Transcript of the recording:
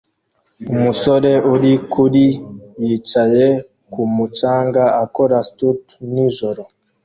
Umusore uri kuri yicaye kumu canga akora stunt nijoro